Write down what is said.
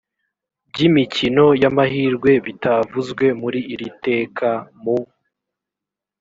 by imikino y amahirwe bitavuzwe muri iri teka mu